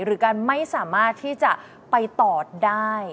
หรือการไม่สามารถที่จะไปต่อได้